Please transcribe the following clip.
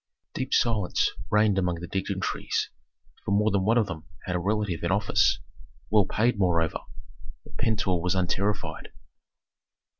Deep silence reigned among the dignitaries, for more than one of them had a relative in office, well paid moreover. But Pentuer was unterrified.